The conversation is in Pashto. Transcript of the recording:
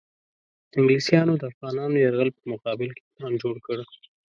انګلیسیانو د افغانانو یرغل په مقابل کې پلان جوړ کړ.